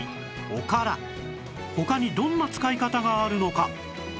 おから他にどんな使い方があるのか？